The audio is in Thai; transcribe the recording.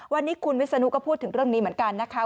วันนี้คุณวิศนุก็พูดถึงเรื่องนี้เหมือนกันนะคะ